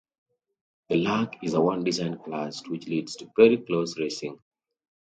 The Lark is a one-design class which leads to very close racing.